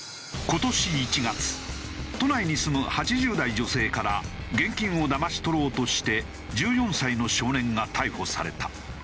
今年１月都内に住む８０代女性から現金をだまし取ろうとして１４歳の少年が逮捕された。